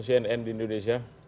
cnn di indonesia